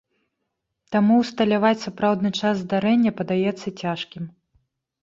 Таму ўсталяваць сапраўдны час здарэння падаецца цяжкім.